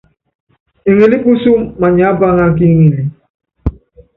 Eŋelí pusɔm maniápáŋá kí ŋili.